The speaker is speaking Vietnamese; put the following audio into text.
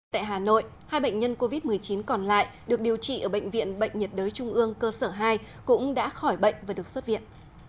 tại hà nội hai bệnh nhân covid một mươi chín còn lại được điều trị ở bệnh viện bệnh nhiệt đới trung ương cơ sở hai cũng đã khỏi bệnh và được xuất viện